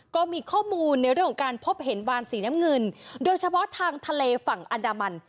ก็มีข้อมูลในเรื่องของการพบเห็นวานสีน้ำเงินโดยเฉพาะทางทะเลฝั่งอันดามัน